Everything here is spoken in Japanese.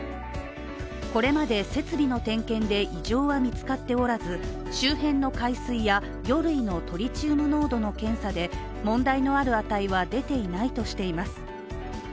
これまで設備の点検で異常は見つかっておらず周辺の海水や魚類のトリチウム濃度の検査で問題のある値は出ていないとしています。